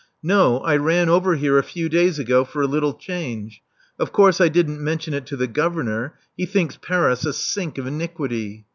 No, I ran over here a few days ago for a little change. Of course I didn't mention it to the governor: he thinks Paris a sink of iniquity.